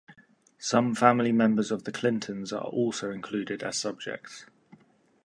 Some family members of the Clintons are also included as subjects.